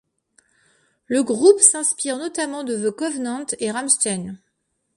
Le groupe s'inspire notamment de The Kovenant et Rammstein.